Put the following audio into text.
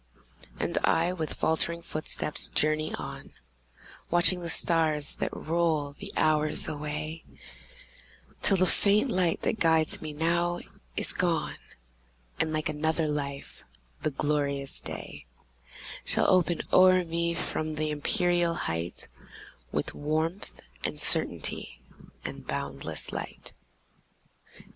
And I, with faltering footsteps, journey on, Watching the stars that roll the hours away, Till the faint light that guides me now is gone, And, like another life, the glorious day Shall open o'er me from the empyreal height, With warmth, and certainty, and boundless light.